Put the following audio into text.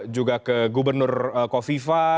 juga ke gubernur kofifa